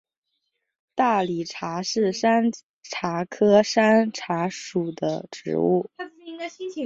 大理茶是山茶科山茶属的植物。